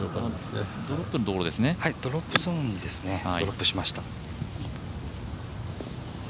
ドロップゾーンにドロップしました。